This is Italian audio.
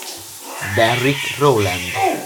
Derrick Rowland